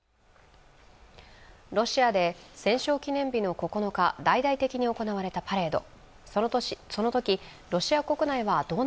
ロシアで戦勝記念日の９日、大々的に行われたパレード。